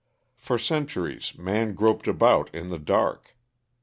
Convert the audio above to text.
For centuries man groped about in the dark.